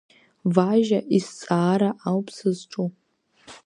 Важьа изҵаара ауп сызҿу.